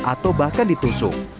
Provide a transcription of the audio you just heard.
atau bahkan ditusuk